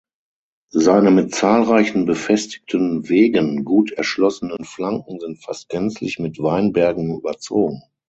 Seine mit zahlreichen befestigten Wegen gut erschlossenen Flanken sind fast gänzlich mit Weinbergen überzogen.